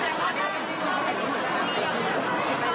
แล้วก็การดูหลายทุกอย่างที่เขาทำงานเขาจะเจียบกับผู้สามารถ